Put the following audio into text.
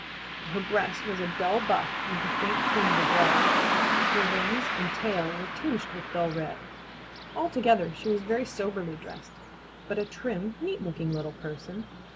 Her breast was a dull buff with a faint tinge of red. Her wings and tail were tinged with dull red. Altogether she was very soberly dressed, but a trim, neat looking little person.